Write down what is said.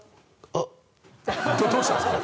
どどうしたんですか！？